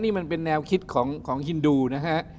นี่มันเป็นแนวคิดของฮินดูนะฮะ